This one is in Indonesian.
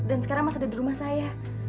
dan sekarang mas ada di rumah saya